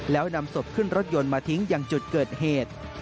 แล้วนำศพขึ้นรถยนต์มาทิ้งอย่างจุดเกิดเหตุ